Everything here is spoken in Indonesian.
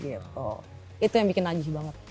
atau itu yang bikin najih banget